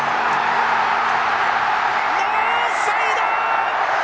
ノーサイド！